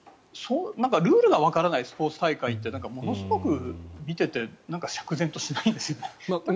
ルールがわからないスポーツ大会ってものすごく見てて釈然としないですよね。